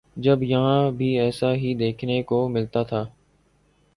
جب یہاں بھی ایسا ہی دیکھنے کو ملتا تھا۔